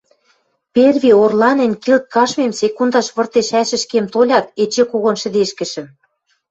Перви орланен, килт каштмем секундаш выртеш ӓшӹшкем толят, эче когон шӹдешкӹшӹм.